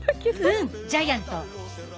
うんジャイアント！